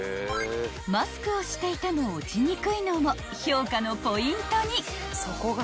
［マスクをしていても落ちにくいのも評価のポイントに］